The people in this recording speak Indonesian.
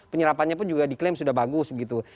penyerapannya pun juga diklaim sudah bagus begitu